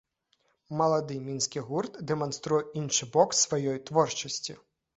Малады мінскі гурт дэманструе іншы бок сваёй творчасці.